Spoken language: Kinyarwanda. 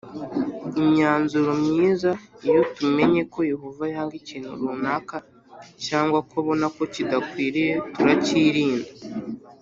imyanzuro myiza Iyo tumenye ko Yehova yanga ikintu runaka cyangwa ko abona ko kidakwiriye turakirinda